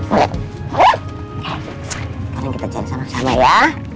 sekarang kita cari sama sama ya